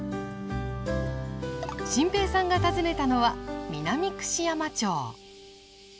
心平さんが訪ねたのは南串山町。